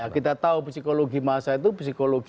kita tahu psikologi masa itu psikologi